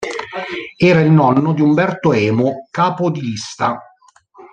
Era il nonno di Umberto Emo Capodilista.